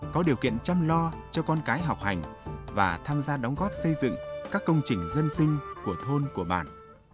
có điều kiện chăm lo cho con cái học hành và tham gia đóng góp xây dựng các công trình dân sinh của thôn của bản